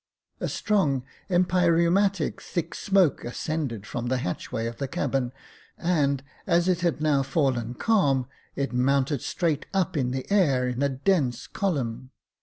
A strong, empyreumatic, thick smoke ascended from the hatchway of the cabin, and, as it had now fallen calm, it mounted straight up the air in a dense column.